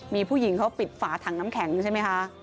มีผู้หญิงเขาปิดฝาถังน้ำแข็งใช่ไหมคะ